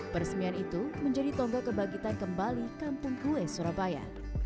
peresmian itu menjadi tonggak kebangkitan kembali kampung kue surabaya